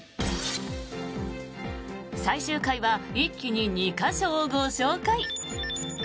最終回は一気に２か所をご紹介。